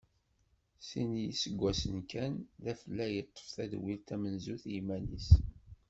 Sin n yiseggasen kan d afella yeṭṭef tadwilt tamenzut iman-is.